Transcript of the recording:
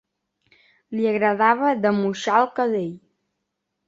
Li agradava d'amoixar el cadell.